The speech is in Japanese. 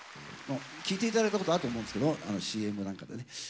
聴いて頂いたことあると思うんですけどＣＭなんかでね。